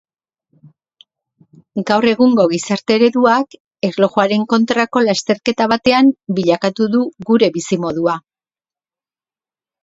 Gaur egungo gizarte ereduak, erlojuaren kontrako lasterketa batean bilakatu du gure bizimodua.